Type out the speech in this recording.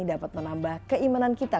dapat menambah keimanan kita